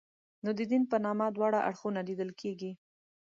نو د دین په نامه دواړه اړخونه لیدل کېږي.